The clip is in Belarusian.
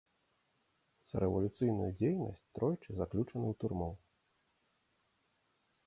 За рэвалюцыйную дзейнасць тройчы заключаны ў турму.